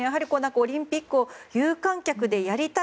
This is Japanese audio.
オリンピックを有観客でやりたい。